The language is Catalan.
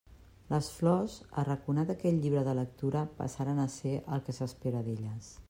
Les flors, arraconat aquell llibre de lectura, passaren a ser el que s'espera d'elles.